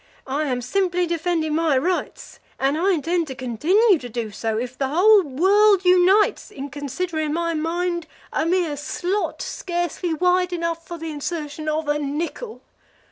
"I am simply defending my rights, and I intend to continue to do so if the whole world unites in considering my mind a mere slot scarcely wide enough for the insertion of a nickel.